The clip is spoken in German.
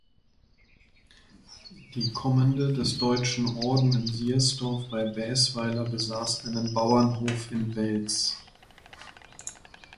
Die Kommende des Deutschen Orden in Siersdorf bei Baesweiler besaß einen Bauernhof in Welz.